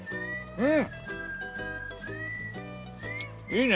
うん！